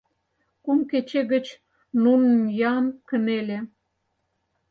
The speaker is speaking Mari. Кум кече гыч Нунн-Яан кынеле.